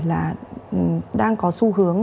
là đang có xu hướng